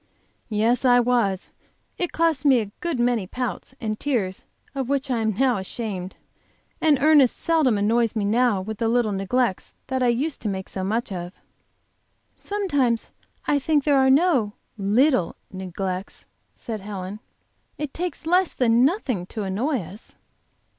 "Yes, I was. It cost me a good many pouts and tears of which I am now ashamed. And Ernest seldom annoys me now with the little neglects that I used to make so much of." "Sometimes I think there are no 'little' neglects," said Helen. "It takes less than nothing to annoy us."